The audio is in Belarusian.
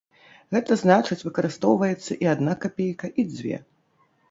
Гэта значыць выкарыстоўваецца і адна капейка, і дзве.